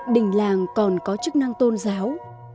đình làng còn có chức năng tôn giáo